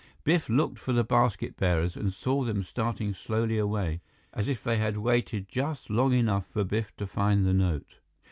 Biff looked for the basket bearers and saw them starting slowly away, as if they had waited just long enough for Biff to find the note.